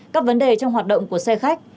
các vấn đề trong hoạt động của xe khách